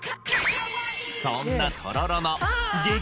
そんなとろろの激